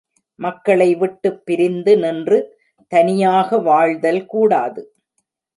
மக்களை விட்டுப் பிரிந்து நின்று தனியாக வாழ்தல் கூடாது.